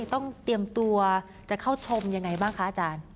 ต้องเตรียมตัวจะเข้าชมยังไงบ้างคะอาจารย์